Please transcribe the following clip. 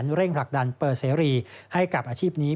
กล้าหารเร่งผลักดันเปิดซีรีส์ให้กลับอาชีพนี้